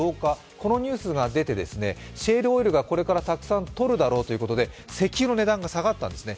このニュースが出て、シェールオイルがこれからたくさん取るだろうということで、石油の値段が下がったんですね。